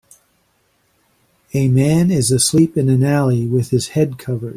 A man is asleep in an alley with his head covered.